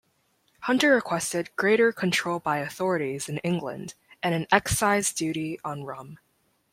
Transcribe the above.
Hunter requested greater control by authorities in England and an excise duty on rum.